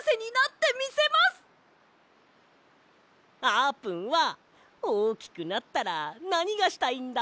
あーぷんはおおきくなったらなにがしたいんだ？